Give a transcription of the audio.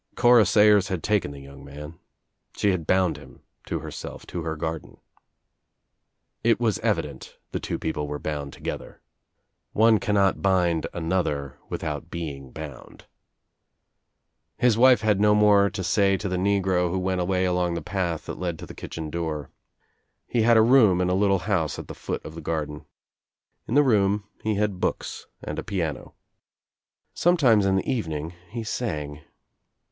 Cora Sayers had taken the young man. She had bound him to herself, to her garden. It was evident the two people were bound together. One cannot bind another without being bound. His wife had no more to say to the negro who went away along the path that led to the kitchen door. He had a room in a little house at the foot of the garden. In the room he had books and a piano. Sometimes in the evening he sang.